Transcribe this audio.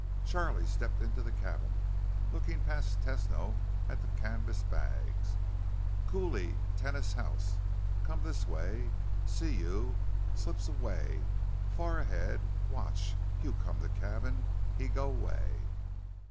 Charlie stepped into the cabin, looking past Tesno at the canvas bags. "Cooley tenas house. Come this way. See you elip siah. Far ahead. Watch. You come to cabin. Him go 'way."